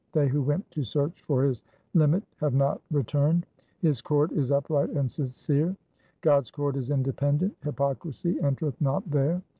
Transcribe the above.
They who went to search for His limit have not re turned. 1 His court is upright and sincere :— God's court is independent ; hypocrisy entereth not there.